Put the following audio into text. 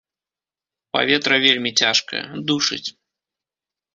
Паветра вельмі цяжкае, душыць.